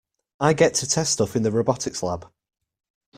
I get to test stuff in the robotics lab.